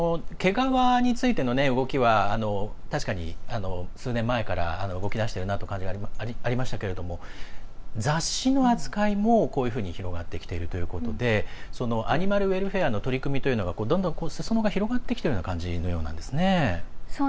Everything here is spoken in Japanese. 毛皮についての動きは確かに数年前から動き出してるなという感じがありましたけれども雑誌の扱いもこういうふうに広がってきているということでアニマルウェルフェアの取り組みというのがどんどんすそ野が広がってきているような感じなんですね。